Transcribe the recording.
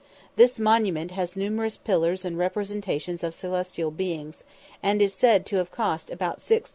This monument has numerous pillars and representations of celestial beings, and is said to have cost about 6000_l.